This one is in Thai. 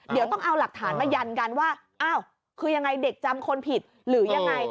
เดี๋ยวต้องเอาหลักฐานมายันกันว่าอ้าวคือยังไงเด็กจำคนผิดหรือยังไง